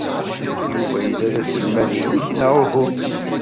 Yuba yella d aselmad-nnek, neɣ uhu?